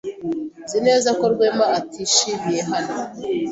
Nzi neza ko Rwema atishimiye hano.